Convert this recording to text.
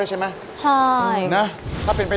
ให้๒๐๐เลย